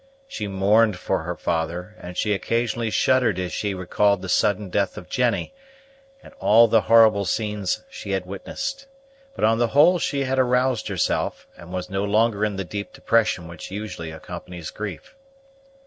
She mourned for her father, and she occasionally shuddered as she recalled the sudden death of Jennie, and all the horrible scenes she had witnessed; but on the whole she had aroused herself, and was no longer in the deep depression which usually accompanies grief.